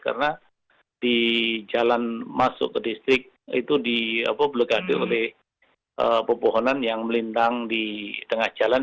karena di jalan masuk ke distrik itu dibelegade oleh pepohonan yang melintang di tengah jalan